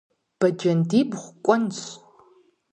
Бэджэндибгъу кӀуэнщ.